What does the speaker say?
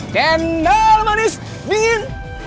kendal manis dingin